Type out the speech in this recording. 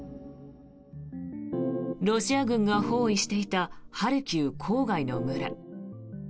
ロシア軍が包囲していたハルキウ郊外の村。